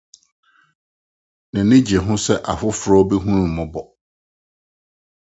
N'ani gye ho sɛ afoforo behu no mmɔbɔ.